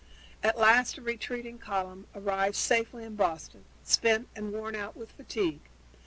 At last the retreating column safely arrived at Boston, spent and worn out with fatigue.